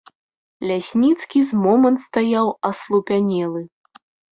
Лясніцкі з момант стаяў аслупянелы.